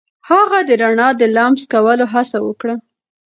هغه د رڼا د لمس کولو هڅه وکړه.